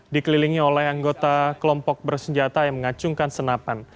dikelilingi oleh anggota kelompok bersenjata yang mengacungkan senapan